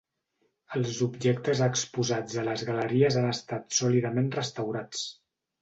Els objectes exposats a les galeries han estat sòlidament restaurats.